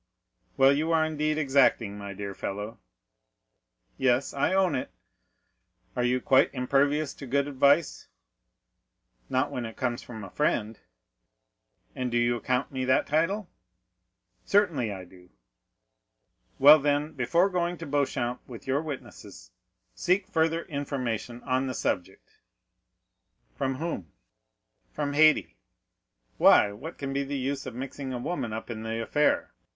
"Well, you are indeed exacting, my dear fellow!" "Yes, I own it." "Are you quite impervious to good advice?" "Not when it comes from a friend." "And do you account me that title?" "Certainly I do." "Well, then, before going to Beauchamp with your witnesses, seek further information on the subject." "From whom?" "From Haydée." "Why, what can be the use of mixing a woman up in the affair?